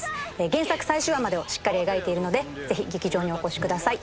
原作最終話までをしっかり描いているのでぜひ劇場にお越しください。